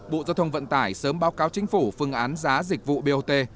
bộ giao thông vận tải sớm báo cáo chính phủ phương án giá dịch vụ bot